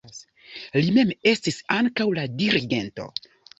Li mem estis ankaŭ la dirigento.